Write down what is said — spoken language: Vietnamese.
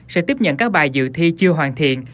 sẽ tiếp nhận các bài dự thi chưa hoàn thiện